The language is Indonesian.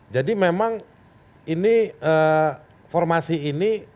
jadi memang ini formasi ini